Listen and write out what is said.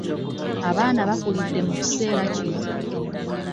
Abaana bakulidde mukiseera kino .